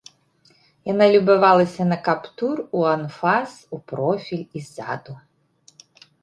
Яна любавалася на каптур у анфас, у профіль і ззаду.